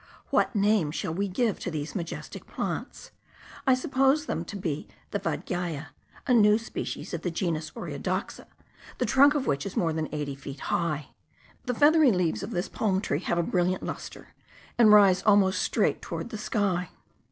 What name shall we give to these majestic plants? I suppose them to be the vadgiai, a new species of the genus Oreodoxa, the trunk of which is more than eighty feet high. The feathery leaves of this palm tree have a brilliant lustre, and rise almost straight toward the sky.